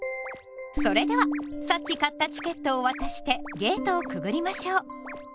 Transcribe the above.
それではさっき買ったチケットを渡してゲートをくぐりましょう。